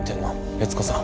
悦子さん。